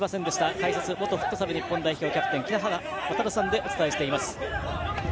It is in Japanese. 解説は元フットサル日本代表キャプテン北原亘さんでお伝えしています。